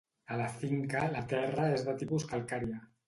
A la finca la terra és de tipus calcària.